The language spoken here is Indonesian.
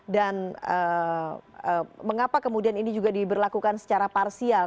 dan mengapa kemudian ini juga diberlakukan secara parsial